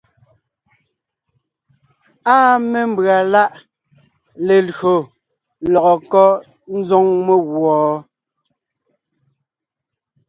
Áa mémbʉ̀a láʼ melÿò lɔgɔ kɔ́ ńzoŋ meguɔ?